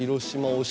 推し